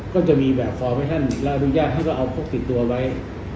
ก็จะมีแบบฟอร์มให้ท่านและอนุญาตให้ก็เอาพกติดตัวไว้